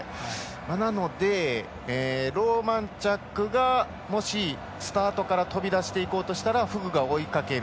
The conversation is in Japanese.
なのでローマンチャックがもし、スタートから飛び出していこうとしたらフグが追いかける。